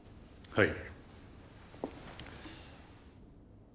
はい。